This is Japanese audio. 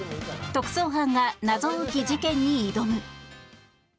特捜班が謎多き事件に挑む！